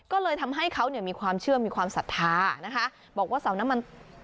ก็เลยทำให้เขาเนี่ยมีความเชื่อมีความศรัทธานะคะบอกว่าเสาน้ำมัน